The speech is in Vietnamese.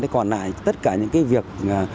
còn lại tất cả những việc